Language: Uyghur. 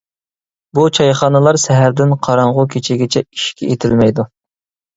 بۇ چايخانىلار سەھەردىن قاراڭغۇ كېچىگىچە ئىشىكى ئېتىلمەيدۇ.